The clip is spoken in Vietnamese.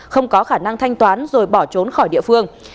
không có khả năng thanh toán rồi bỏ trốn khỏi địa phương